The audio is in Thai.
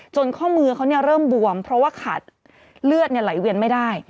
ข้อมือเขาเริ่มบวมเพราะว่าขาดเลือดไหลเวียนไม่ได้